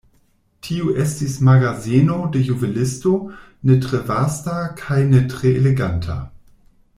Tio estis magazeno de juvelisto, ne tre vasta kaj ne tre eleganta.